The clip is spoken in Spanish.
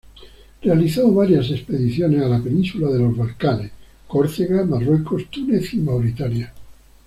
Realizó varias expediciones a la península de los Balcanes, Córcega, Marruecos, Túnez, Mauritania.